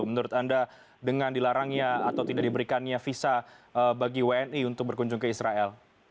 menurut anda dengan dilarangnya atau tidak diberikannya visa bagi wni untuk berkunjung ke israel